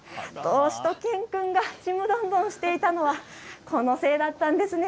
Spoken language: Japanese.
しゅと犬くんがちむどんどんしていたのはこのせいだったんですね。